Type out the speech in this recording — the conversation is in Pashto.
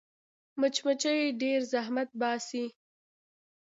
مچمچۍ ډېر زحمت باسي